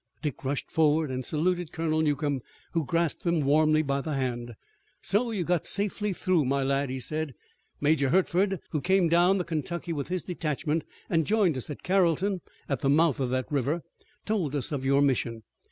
Dick rushed forward and saluted Colonel Newcomb, who grasped him warmly by the hand. "So you got safely through, my lad," he said. "Major Hertford, who came down the Kentucky with his detachment and joined us at Carrollton at the mouth of that river, told us of your mission.